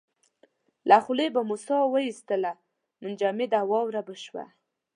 له خولې به مو ساه واېستله منجمده واوره به شوه.